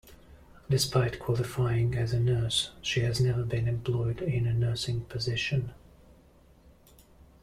Despite qualifying as a nurse, she has never been employed in a nursing position.